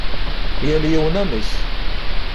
Yal yiwen amek.